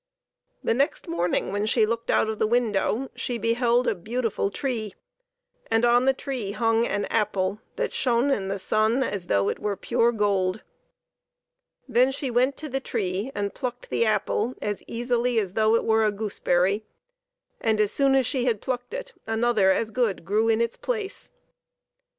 The next morning when she looked out of the window she beheld a beautiful tree, and on the tree hung an apple that shone in the sun as though it were pure gold. Then she went to the tree and plucked the apple as easily as though it were a goose berry, and as soon' as she had plucked it another as good grew in its place.